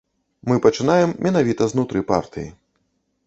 Мы пачынаем менавіта знутры партыі.